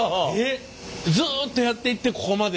ずっとやっていってここまで？